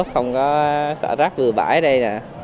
không có sợ rác vừa bãi ở đây nè